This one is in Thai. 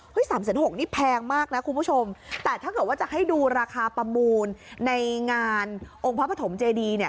สามแสนหกนี่แพงมากนะคุณผู้ชมแต่ถ้าเกิดว่าจะให้ดูราคาประมูลในงานองค์พระปฐมเจดีเนี่ย